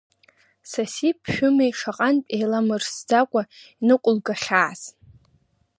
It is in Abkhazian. Саси-ԥшәымеи шаҟантә еиламырсӡакәа иныҟәылгахьааз!